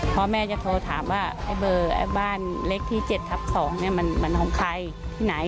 เพราะแม่จะโทรถามว่าไอ้เบอร์ไอ้บ้านเล็กที่๗ทับ๒เนี่ยมันของใครที่ไหน